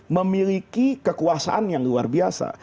memiliki kekuasaan yang luar biasa